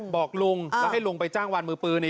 บอกลุงแล้วให้ลุงไปจ้างวานมือปืน